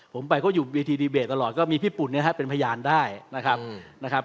ผมไปก็อยู่บีทีดีเบตตลอดก็มีพี่ปุ่นเนี่ยนะครับเป็นพยานได้นะครับ